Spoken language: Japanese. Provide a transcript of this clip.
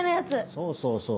そうそうそう。